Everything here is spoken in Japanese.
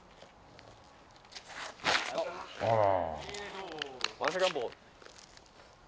あら。